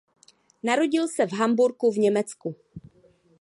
Narodil se v Hamburgu v Německu.